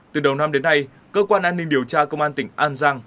từ đầu năm đến nay cơ quan an ninh điều tra công an tỉnh an giang